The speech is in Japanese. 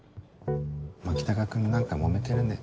牧高君何かもめてるね。